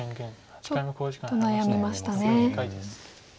ちょっと悩みましたね。